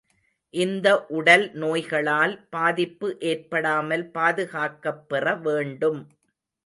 இந்த உடல் நோய்களால் பாதிப்பு ஏற்படாமல் பாதுகாக்கப் பெற வேண்டும்.